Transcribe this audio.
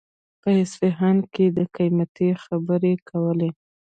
په اصفهان کې يې د قيمتۍ خبرې کولې.